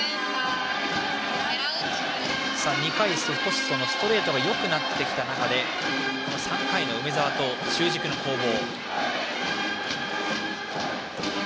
２回、ストレートがよくなってきた中で３回の梅澤と中軸の攻防。